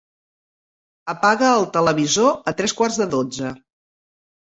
Apaga el televisor a tres quarts de dotze.